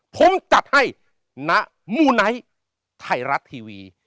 ผมจัดให้ณมูไนท์ไทยรัฐทีวี